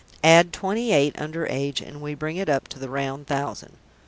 Add 28 under age and we bring it up to the round thousand."